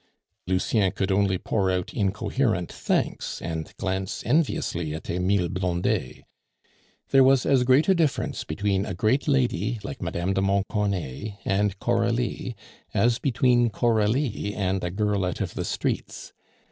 Lucien could only pour out incoherent thanks and glance enviously at Emile Blondet. There was as great a difference between a great lady like Mme. de Montcornet and Coralie as between Coralie and a girl out of the streets.